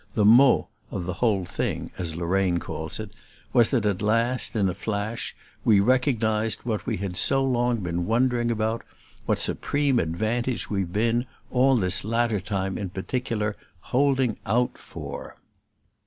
The mot, of the whole thing, as Lorraine calls it, was that at last, in a flash, we recognized what we had so long been wondering about what supreme advantage we've been, all this latter time in particular, "holding out" for.